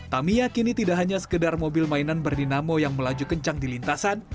tamiya kini tidak hanya sekedar mobil mainan berdinamo yang melaju kencang di lintasan